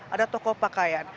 ada toko pakaian